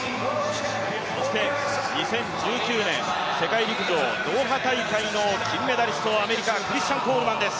そして２０１９年世界陸上ドーハ大会の金メダリスト、アメリカ、クリスチャン・コールマンです。